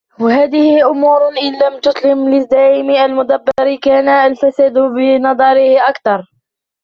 وَهَذِهِ أُمُورٌ إنْ لَمْ تَسْلَمْ لِلزَّعِيمِ الْمُدَبِّرِ كَانَ الْفَسَادُ بِنَظَرِهِ أَكْثَرَ